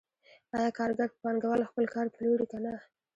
آیا کارګر په پانګوال خپل کار پلوري که نه